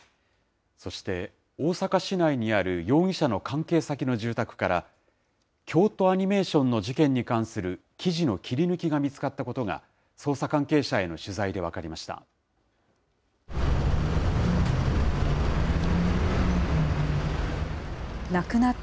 そして、大阪市内にある容疑者の関係先の住宅から、京都アニメーションの事件に関する記事の切り抜きが見つかったことが、捜査関係者への取材で分かりました。